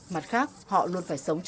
mặt khác họ luôn phải sống trẻ